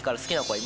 はい。